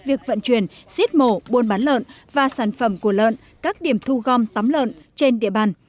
việc vận chuyển giết mổ buôn bán lợn và sản phẩm của lợn các điểm thu gom tắm lợn trên địa bàn